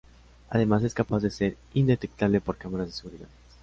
Además es capaz de ser indetectable por cámaras de seguridad.